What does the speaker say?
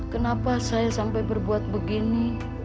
kenapa saya sampai berbuat begini